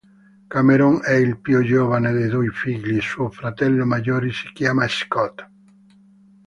Cameron è il più giovane dei due figli; suo fratello maggiore si chiama Scott.